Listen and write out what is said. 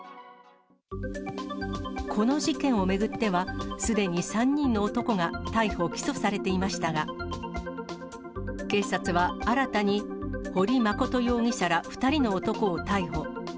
この事件を巡っては、すでに３人の男が逮捕・起訴されていましたが、警察は新たに保利誠容疑者ら２人の男を逮捕。